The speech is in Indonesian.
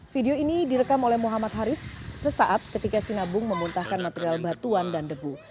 video ini direkam oleh muhammad haris sesaat ketika sinabung memuntahkan material batuan dan debu